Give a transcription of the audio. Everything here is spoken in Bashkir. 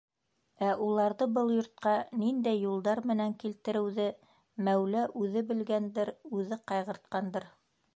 Ә уларҙы был йортҡа ниндәй юлдар менән килтереүҙе мәүлә үҙе белгәндер, үҙе ҡайғыртҡандыр.